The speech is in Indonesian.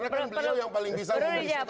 sebenarnya perlu dijawab